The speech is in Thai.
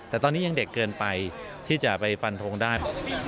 แต่ตอนนี้ยังเด็กเกินไปที่จะไปฟันทงได้